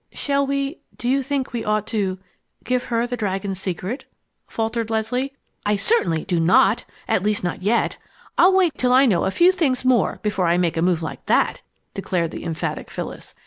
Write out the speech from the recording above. "Shall we do you think we ought to give her the Dragon's Secret?" faltered Leslie. "I certainly do not at least not yet! I'll wait till I know a few things more before I make a move like that!" declared the emphatic Phyllis.